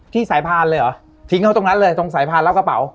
ที่สายพานเลยเหรอทิ้งเขาตรงนั้นเลยตรงสายพานรับกระเป๋า